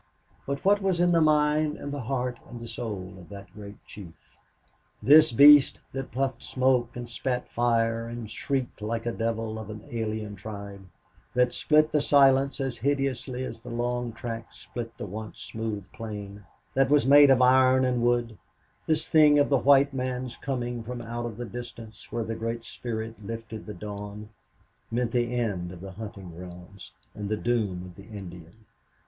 But what was in the mind and the heart and the soul of that great chief? This beast that puffed smoke and spat fire and shrieked like a devil of an alien tribe; that split the silence as hideously as the long track split the once smooth plain; that was made of iron and wood; this thing of the white man's, coming from out of the distance where the Great Spirit lifted the dawn, meant the end of the hunting grounds and the doom of the Indian.